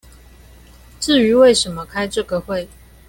至於為什麼開這個會